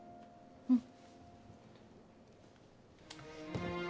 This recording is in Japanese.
うん。